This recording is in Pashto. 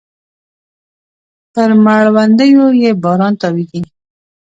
پر مړوندونو يې باران تاویږې